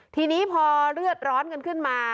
ทีนี้พอเลือดร้อนกันขึ้นมา